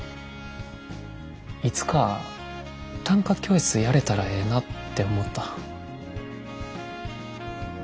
いつか短歌教室やれたらええなって思った。